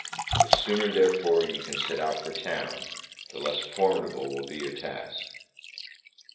The sooner, therefore, you can set out for town, the less formidable will be your task.